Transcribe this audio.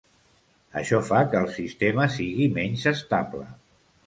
Això fa que el sistema sigui menys estable.